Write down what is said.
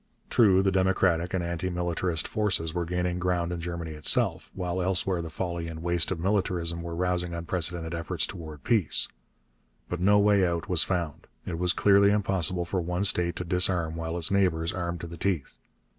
True, the democratic and anti militarist forces were gaining ground in Germany itself, while elsewhere the folly and waste of militarism were rousing unprecedented efforts towards peace. But no way out was found. It was clearly impossible for one state to disarm while its neighbours armed to the teeth.